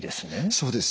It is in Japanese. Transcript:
そうです。